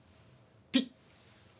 ピッ。